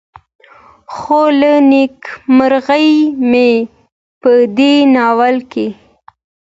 خو له نيکه مرغه مې په دې ناول کې